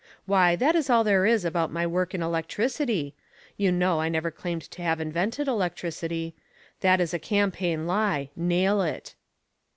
Why, that is all there is about my work in electricity you know, I never claimed to have invented electricity that is a campaign lie nail it!"